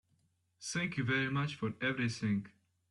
Thank you very much for everything.